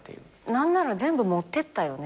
何なら全部持ってったよね